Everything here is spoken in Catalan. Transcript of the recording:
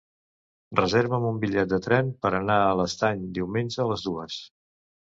Reserva'm un bitllet de tren per anar a l'Estany diumenge a les dues.